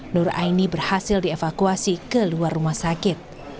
nur aini berhasil dievakuasi ke luar rumah sakit